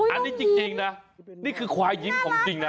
อันนี้จริงนะนี่คือควายยิ้มของจริงนะ